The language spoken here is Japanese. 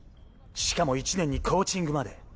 しかも１年にコーチングまで。